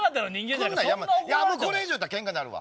これ以上言うたらけんかなるわ。